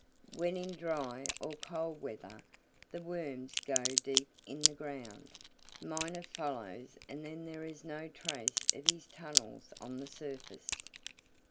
When in dry or cold weather the worms go deep in the ground, Miner follows and then there is no trace of his tunnels on the surface.